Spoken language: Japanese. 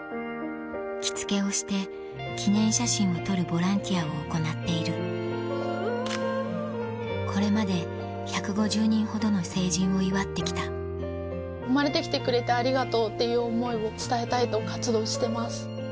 着付けをして記念写真を撮るボランティアを行っているこれまで１５０人ほどの成人を祝って来たっていう思いを伝えたいと活動してます。